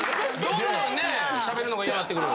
・どんどんね喋るのが嫌になってくる。